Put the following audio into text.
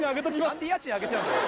何で家賃上げちゃうんだよ